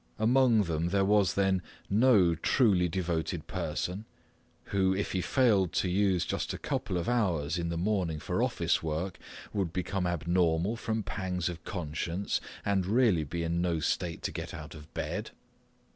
Among them was there then no truly devoted person who, if he failed to use just a couple of hours in the morning for office work, would become abnormal from pangs of conscience and really be in no state to get out of bed?